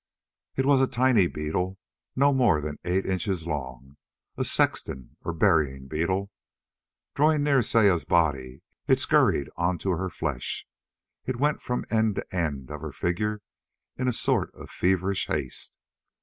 It was a tiny beetle no more than eight inches long a sexton or burying beetle. Drawing near Saya's body it scurried onto her flesh. It went from end to end of her figure in a sort of feverish haste.